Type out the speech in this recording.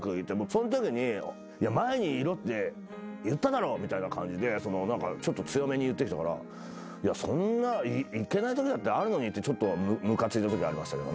そのときに「前にいろって言っただろ！」みたいな感じでちょっと強めに言ってきたからそんな行けないときだってあるのにってちょっとムカついたときありましたけどね。